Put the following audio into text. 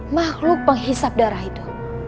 makhluk penghisap darah itu